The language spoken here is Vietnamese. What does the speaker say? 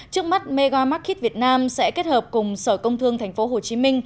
trước mắt megamarket việt nam sẽ kết hợp cùng sở công thương tp hcm